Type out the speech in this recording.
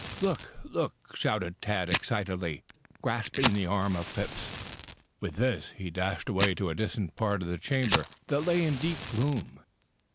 "Look! Look!" shouted Tad excitedly, grasping the arm of Phipps. With this, he dashed away to a distant part of the chamber that lay in deep gloom.